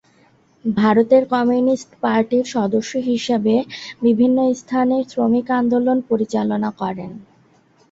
ভারতের কমিউনিস্ট পার্টির সদস্য হিসেবে বিভিন্ন স্থানে শ্রমিক আন্দোলন পরিচালনা করেন।